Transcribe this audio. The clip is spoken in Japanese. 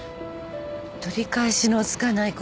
取り返しのつかないこと？